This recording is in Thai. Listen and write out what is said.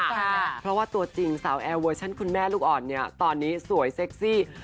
เพราะว่าตัวจริงสาวแอร์เวอร์ชั่นคุณแม่ลูกอ่อนเนี่ยตอนนี้สวยเซ็กซี่